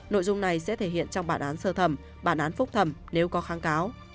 nội dung này sẽ thể hiện trong bản án sơ thẩm bản án phúc thẩm nếu có kháng cáo